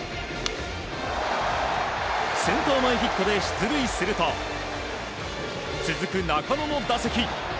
センター前ヒットで出塁すると続く中野の打席。